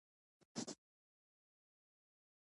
د سمنګان د ایبک بادام مشهور دي.